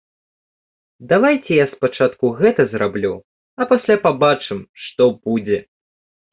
Давайце я спачатку гэта зраблю, а пасля пабачым, што будзе.